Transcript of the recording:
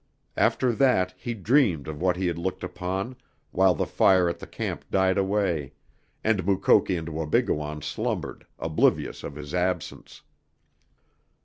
After that he dreamed of what he had looked upon, while the fire at the camp died away, and Mukoki and Wabigoon slumbered, oblivious of his absence.